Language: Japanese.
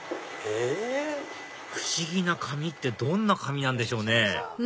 不思議な紙ってどんな紙なんでしょうね